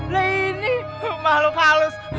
nah ini makhluk halus